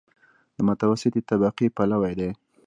د متوسطې طبقې پلوی دی.